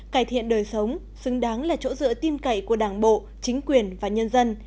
cải thiện đời sống xứng đáng là chỗ dựa tim cậy của đảng bộ chính quyền và nhân dân